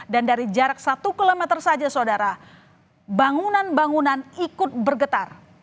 dan dari jarak satu km saja saudara bangunan bangunan ikut bergetar